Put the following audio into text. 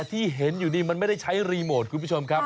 ที่เห็นอยู่นี่มันไม่ได้ใช้รีโมทคุณผู้ชมครับ